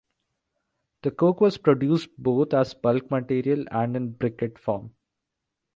The coke was produced both as bulk material and in briquette form.